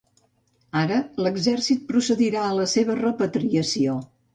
Ara l’exèrcit procedirà a la seva repatriació.